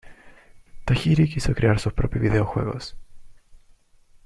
Tajiri quiso crear sus propios videojuegos.